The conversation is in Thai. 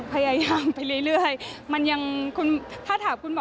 พยายามไปเรื่อยมันยังคุณถ้าถามคุณหมอ